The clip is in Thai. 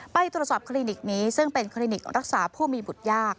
ไปตรวจสอบคลินิกนี้ซึ่งเป็นคลินิกรักษาผู้มีบุตรยาก